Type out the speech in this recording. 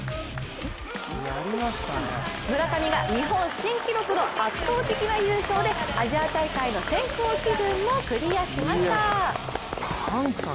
村上が日本新記録の圧倒的な優勝でアジア大会の選考基準もクリアしました。